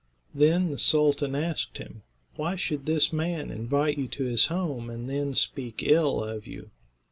Then the sultan asked him, "Why should this man invite you to his home and then speak ill of you?"